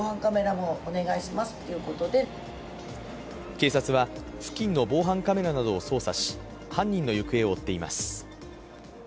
警察は付近の防犯カメラなどを捜査し、犯人の行方を追っています。